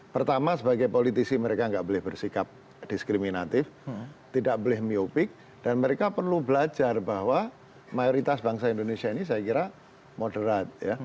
pertama sebagai politisi mereka nggak boleh bersikap diskriminatif tidak boleh myopic dan mereka perlu belajar bahwa mayoritas bangsa indonesia ini saya kira moderat